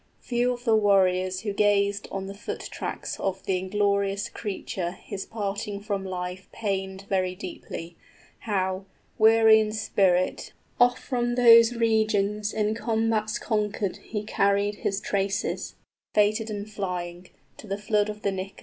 Few of the warriors {Few warriors lamented Grendel's destruction.} Who gazed on the foot tracks of the inglorious creature His parting from life pained very deeply, How, weary in spirit, off from those regions In combats conquered he carried his traces, 10 Fated and flying, to the flood of the nickers.